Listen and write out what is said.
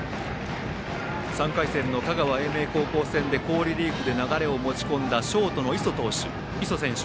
３回戦の香川・英明高校戦で好リリーフで流れを持ち込んだショート、磯選手。